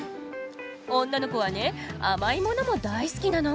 女の子はね甘いものも大好きなの。